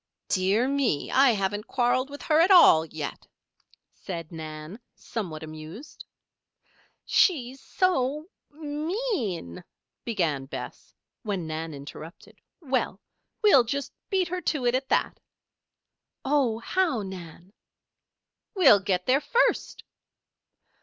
"Dear me! I haven't quarreled with her at all, yet," said Nan, somewhat amused. "She's so mean," began Bess, when Nan interrupted: "Well! we'll just beat her to it at that!" "Oh, how, Nan?" "We'll get there first."